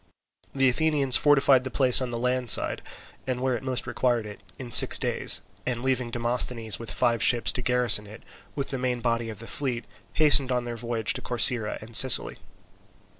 The Athenians fortified the place on the land side, and where it most required it, in six days, and leaving Demosthenes with five ships to garrison it, with the main body of the fleet hastened on their voyage to Corcyra and Sicily.